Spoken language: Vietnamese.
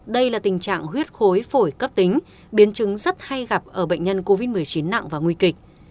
đây là tình trạng huyết khối cấp tính biến chứng rất hay gặp ở bệnh nhân covid một mươi chín nặng và nguy kịch